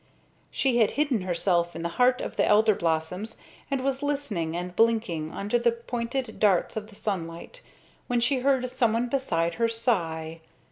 She had hidden herself in the heart of the elder blossoms and was listening and blinking under the pointed darts of the sunlight, when she heard someone beside her sigh.